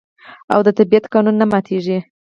او د طبیعت قانون نه ماتیږي.